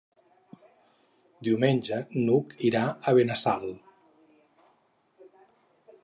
Diumenge n'Hug irà a Benassal.